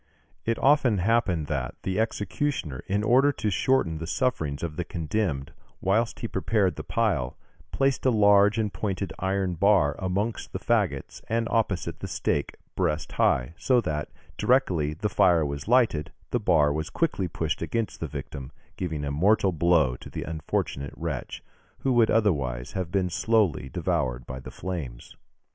It often happened that the executioner, in order to shorten the sufferings of the condemned, whilst he prepared the pile, placed a large and pointed iron bar amongst the faggots and opposite the stake breast high, so that, directly the fire was lighted, the bar was quickly pushed against the victim, giving a mortal blow to the unfortunate wretch, who would otherwise have been slowly devoured by the flames.